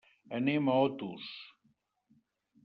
Anem a Otos.